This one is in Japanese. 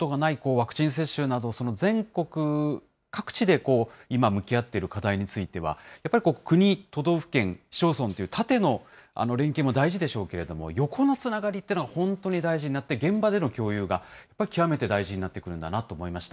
ワクチン接種など、全国各地で今、向き合っている課題については、やっぱり国、都道府県、市町村というタテの連携も大事でしょうけれども、ヨコのつながりっていうのは本当に大事になって、現場での共有がやっぱり極めて大事になってくるんだなと思いました。